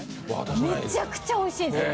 むちゃくちゃおいしいんですよ。